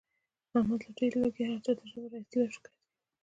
احمد له ډېر لوږې هر چاته ژبه را ایستلې وي او شکایت کوي.